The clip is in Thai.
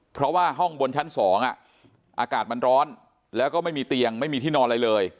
เพราะว่าห้องบนชั้น๒อากาศมันร้อนแล้วก็ไม่มีเตียงไม่มีที่นอนอะไรเลย